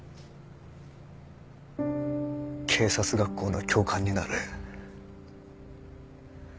警察学校の教官になれ。